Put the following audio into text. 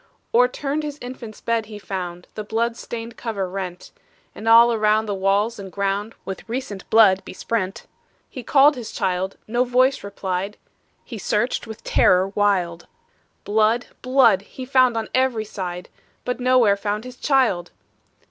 O'erturned his infant's bed he found, The blood stained cover rent; And all around the walls and ground With recent blood besprent. He called his child no voice replied; He searched with terror wild; Blood! blood! he found on every side, But nowhere found his child!